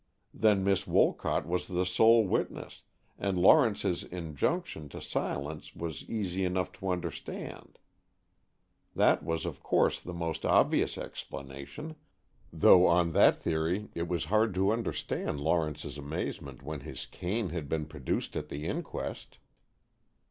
Then Miss Wolcott was the sole witness, and Lawrence's injunction to silence was easy enough to understand. That was of course the most obvious explanation, though on that theory it was hard to understand Lawrence's amazement when his cane had been produced at the inquest.